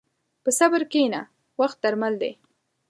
په صبر کښېنه، وخت درمل دی.